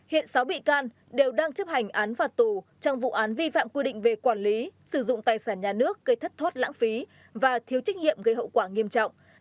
hiện sáu bị can đều đang chấp hành án phạt tù trong vụ án vi phạm quy định về quản lý sử dụng tài sản nhà nước gây thất thoát lãng phí và thiếu trách nhiệm gây hậu quả nghiêm trọng